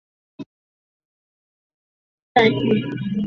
玩家的主要任务是从战俘营拯救战俘。